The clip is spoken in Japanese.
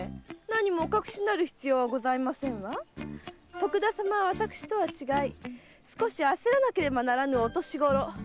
徳田様は私とは違い少し焦らなければならぬお年ごろ。